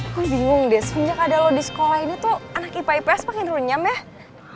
gue bingung deh semenjak ada lo di sekolah ini tuh anak ipa ips makin runyam ya